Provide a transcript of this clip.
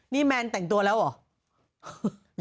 นี่แมนแต่งตัวแล้วเหรอ